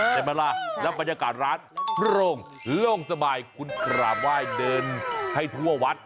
ใช่ไหมล่ะแล้วบรรยากาศร้านโปร่งโล่งสบายคุณกราบไหว้เดินให้ทั่ววัด